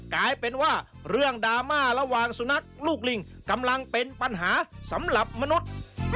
กลายเป็นว่าเรื่องดราม่าระหว่างสุนัขลูกลิงกำลังเป็นปัญหาสำหรับมนุษย์